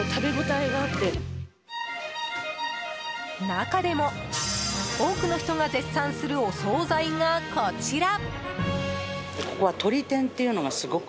中でも多くの人が絶賛するお総菜が、こちら。